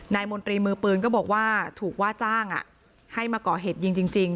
มนตรีมือปืนก็บอกว่าถูกว่าจ้างให้มาก่อเหตุยิงจริง